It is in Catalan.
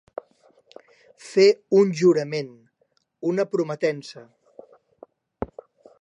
Fer un jurament, una prometença.